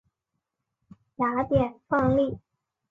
雅典创立。